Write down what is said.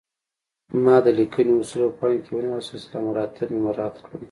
ما د لیکنې اصول په پام کې ونیول او سلسله مراتب مې مراعات کړل